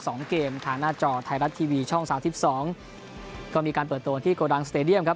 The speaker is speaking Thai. สองเกมทางหน้าจอไทยรัฐทีวีช่องสามสิบสองก็มีการเปิดตัวที่โกดังสเตดียมครับ